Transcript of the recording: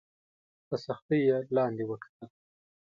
په سختۍ یې لاندي وکتل !